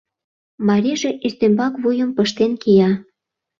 Марийже ӱстембак вуйым пыштен кия.